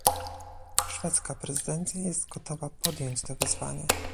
Szwedzka prezydencja jest gotowa podjąć to wyzwanie